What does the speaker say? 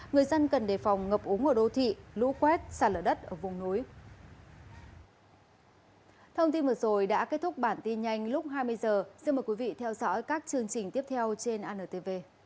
người dân cần đề phòng ngập úng ở đô thị lũ quét sạt lở đất ở vùng núi